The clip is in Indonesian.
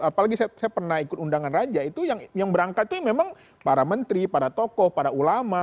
apalagi saya pernah ikut undangan raja itu yang berangkat itu memang para menteri para tokoh para ulama